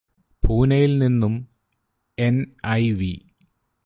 പൂനയില് നിന്നും എന്.ഐ.വി.